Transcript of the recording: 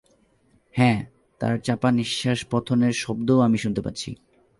হ্যাঁ, তার চাপা নিশ্ববাস পতনের শব্দও আমি শুনতে পাচ্ছি।